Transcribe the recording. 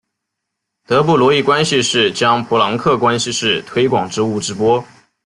德布罗意关系式将普朗克关系式推广至物质波。